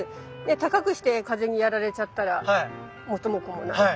高くして風にやられちゃったら元も子もない。